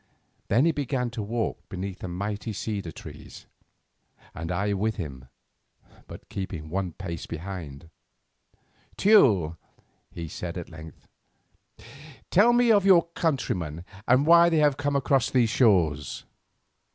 Then he began to walk beneath the mighty cedar trees, and I with him, but keeping one pace behind. "Teule," he said at length, "tell me of your countrymen, and why they have come to these shores.